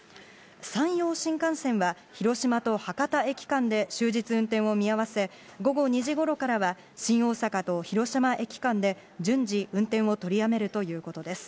山陽新幹線は広島と博多駅間で終日、運転を見合わせ、午後２時ごろからは、新大阪と広島駅間で順次、運転を取りやめるということです。